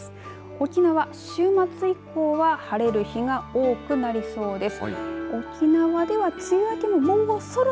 沖縄、週末以降は晴れる日が多くなりそうです。